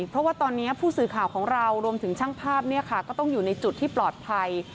เพราะว่าตอนนี้ผู้สื่อข่าวของเรารวมถึงช่างภาพก็ต้องอยู่ในจุดที่ปลอดภัย